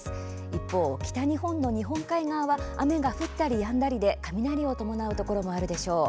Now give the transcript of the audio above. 一方、北日本の日本海側は雨が降ったりやんだりで雷を伴うところもあるでしょう。